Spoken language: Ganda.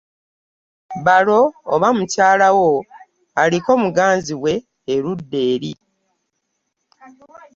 Balo oba mukyala wo aliko muganzi we erudda eri.